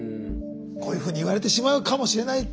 こういうふうに言われてしまうかもしれないと。